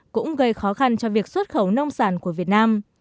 cũng gây khó khăn cho việc xuất khẩu nông sản của việt nam